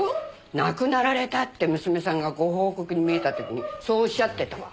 亡くなられたって娘さんがご報告に見えた時にそうおっしゃってたわ。